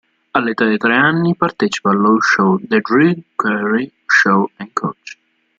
All'età di tre anni partecipa allo show "The Drew Carey Show and Coach".